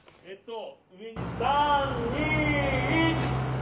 ３、２、１。